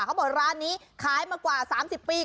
เขาบอกร้านนี้ขายมากว่า๓๐ปี